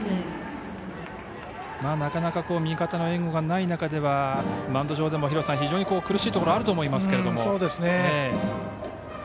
なかなか味方の援護がない中ではマウンド上でも非常に苦しいところあると思いますが。